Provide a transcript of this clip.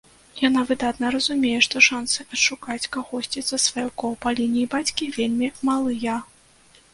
Яна выдатна разумее, што шанцы адшукаць кагосьці са сваякоў па лініі бацькі вельмі малыя.